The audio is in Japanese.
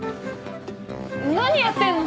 何やってんの？